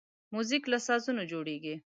موزیک له سازونو جوړیږي.